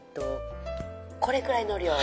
これくらいの量を。